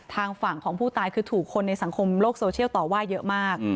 ทางฝั่งของผู้ตายคือถูกคนในสังคมโลกโซเชียลต่อว่าเยอะมาก